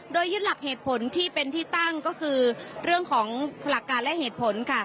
โดยยึดหลักเหตุผลที่เป็นที่ตั้งก็คือเรื่องของหลักการและเหตุผลค่ะ